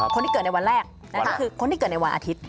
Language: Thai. คนที่เกิดในวันแรกก็คือคนที่เกิดในวันอาทิตย์